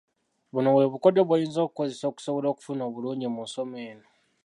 Buno bwe bukodyo bw'oyinza okukozesa okusobola okufuna obulungi mu nsoma eno.